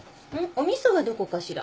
お味噌はどこかしら？